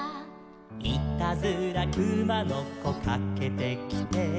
「いたずらくまのこかけてきて」